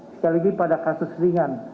sekali lagi pada kasus ringan